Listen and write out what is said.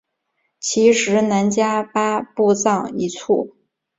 其时喃迦巴藏卜已卒。